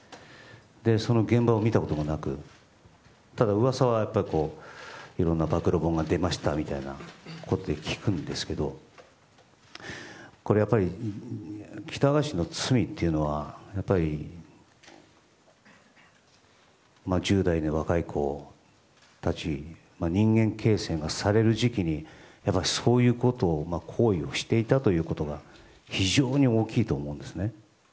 その現場を見たこともなくただ、噂はいろんな暴露本が出ましたみたいなことは聞くんですがやっぱり喜多川氏の罪というのは１０代の若い子たち人間形成がされる時期にそういう行為をしていたということが非常に大きいと思うんですね。